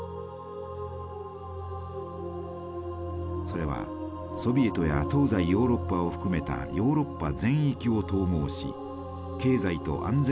それはソビエトや東西ヨーロッパを含めたヨーロッパ全域を統合し経済と安全保障の結び付きを深めるものでした。